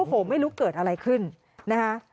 โอ้โหไม่รู้เกิดอะไรขึ้นนะคะ